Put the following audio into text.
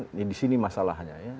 ini di sini masalahnya ya